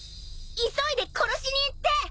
急いで殺しに行って！